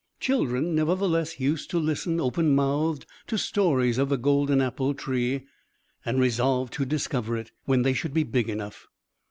Children, nevertheless, used to listen, open mouthed, to stories of the golden apple tree, and resolved to discover it, when they should be big enough.